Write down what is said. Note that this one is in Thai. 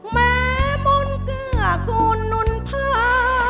แม้มนต์เกลือคุณหนุนพา